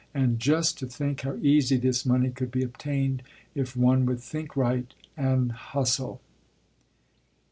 And just to think how easy this money could be obtained if one would think right and hustle."